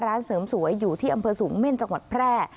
ร้านเสริมสวยอยู่ที่อำเภอสูงเม่นจังหวัดแพร่